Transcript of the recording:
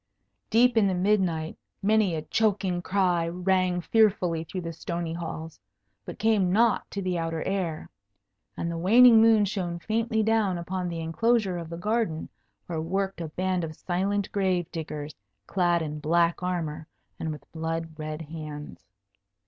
Deep in the midnight, many a choking cry rang fearfully through the stony halls, but came not to the outer air; and the waning moon shone faintly down upon the enclosure of the garden, where worked a band of silent grave diggers, clad in black armour, and with blood red hands.